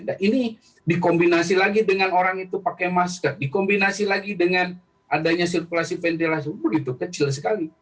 nah ini dikombinasi lagi dengan orang itu pakai masker dikombinasi lagi dengan adanya sirkulasi ventilasi begitu kecil sekali